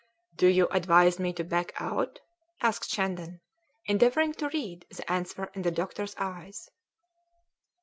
"Do you advise me to back out?" asked Shandon, endeavouring to read the answer in the doctor's eyes.